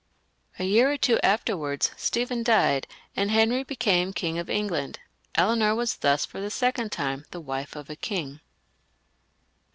A year or two afterwards Stephen died and Henry became King of England. Eleanor wa§5 thus for the second time the wife of a king.